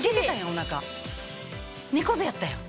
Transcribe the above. お腹猫背やったやん！